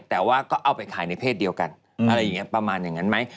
แต่ว่าก็เอาไปขายในเพศเดียวกันอะไรอย่างนี้ประมาณอย่างนั้นไหม